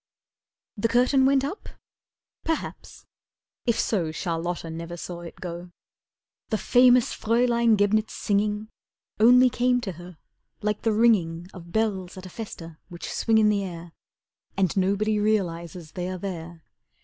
The curtain went up? Perhaps. If so, Charlotta never saw it go. The famous Fraeulein Gebnitz' singing Only came to her like the ringing Of bells at a festa Which swing in the air And nobody realizes they are there.